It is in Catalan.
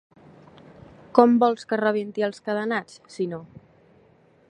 Com vols que rebenti els cadenats, si no?